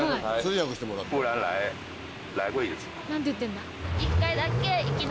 何て言ってんだ？